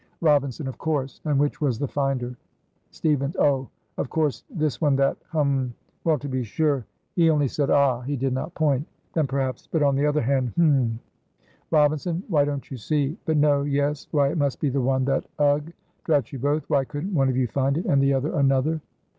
Robinson. "Of course; and which was the finder?" Stevens. "Oh! of course this one that hum! Well, to be sure he only said 'ah!' he did not point. Then perhaps but on the other hand hum!" Robinson. "Why, don't you see? but no! yes! why it must be the one that ugh! Drat you both! why couldn't one of you find it, and the other another?"